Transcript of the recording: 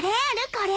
これ。